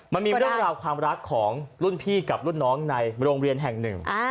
มันมีเรื่องราวความรักของรุ่นพี่กับรุ่นน้องในโรงเรียนแห่งหนึ่ง